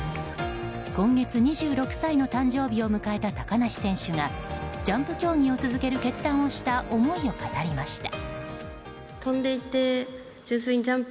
今月２６歳の誕生日を迎えた高梨選手がジャンプ競技を続ける決断をした思いを語りました。